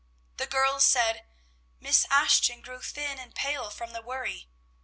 The girls said, "Miss Ashton grew thin and pale from the worry."